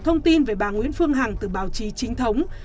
thông tin về bà nguyễn phương hằng từ báo chí chính thống